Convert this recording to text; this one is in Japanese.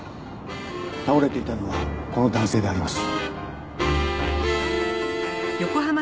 倒れていたのはこの男性であります。